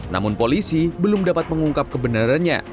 namun polisi belum dapat mengungkap kebenarannya